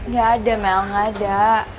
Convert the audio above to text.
gak ada mel gak ada